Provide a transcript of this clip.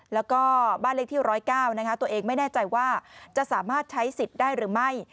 แล้วก็บ้านเลขที่๑๐๙นะคะตัวเองไม่แน่ใจว่าจะสามารถใช้สิทธิ์ได้หรือไม่